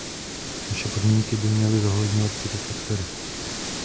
Naše podmínky by měly zohledňovat tyto faktory.